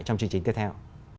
trong chương trình tiếp theo